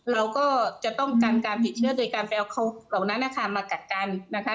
เราก็จะต้องกันการติดเชื้อโดยการไปเอาเขาเหล่านั้นนะคะมากักกันนะคะ